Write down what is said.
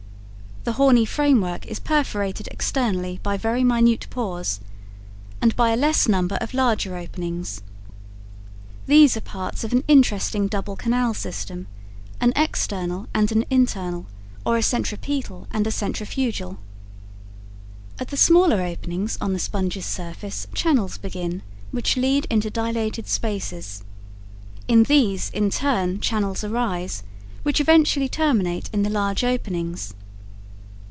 The horny framework is perforated externally by very minute pores, and by a less number of larger openings. These are parts of an interesting double canal system, an external and an internal, or a centripetal and a centrifugal. At the smaller openings on the sponge's surface channels begin, which lead into dilated spaces. In these, in turn, channels arise, which eventually terminate in the large openings.